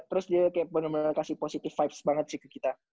terus dia kayak bener bener kasih positive vibes banget sih ke kita